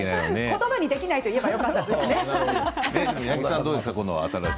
言葉にできないと言えばよかったですね。